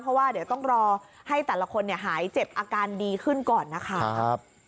เพราะว่าเดี๋ยวต้องรอให้แต่ละคนหายเจ็บอาการดีขึ้นก่อนนะคะ